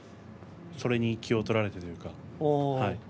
それに気を取られてというか。